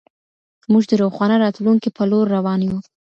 موږ د روښانه راتلونکي په لور روان يو.